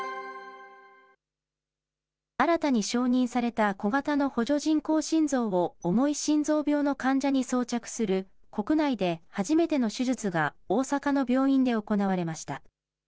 新たに承認された小型の補助人工心臓を重い心臓病の患者に装着する、国内で初めての手術が大阪の病院で行われました。